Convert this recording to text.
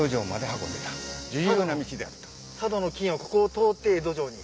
佐渡の金をここを通って江戸城に？